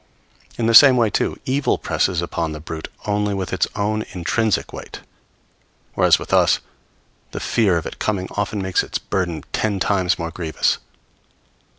In the same way, too, evil presses upon the brute only with its own intrinsic weight; whereas with us the fear of its coming often makes its burden ten times more grievous.